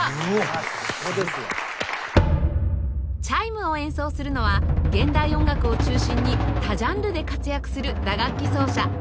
チャイムを演奏するのは現代音楽を中心に多ジャンルで活躍する打楽器奏者